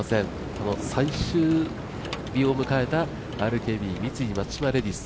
この最終日を迎えたＲＫＢ×三井松島レディス